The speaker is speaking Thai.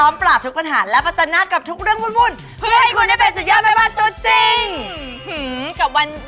แม่บ้านประจันบรรย์